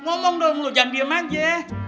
ngomong dong jangan diem aja